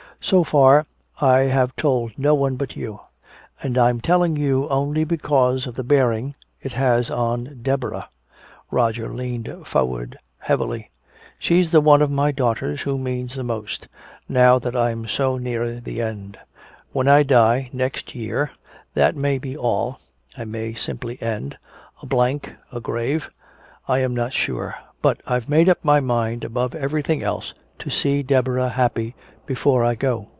So far, I have told no one but you. And I'm telling you only because of the bearing it has on Deborah." Roger leaned forward heavily. "She's the one of my daughters who means the most, now that I'm so near the end. When I die next year that may be all I may simply end a blank, a grave I am not sure. But I've made up my mind above everything else to see Deborah happy before I go.